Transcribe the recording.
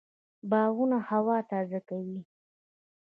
باغونه هوا تازه کوي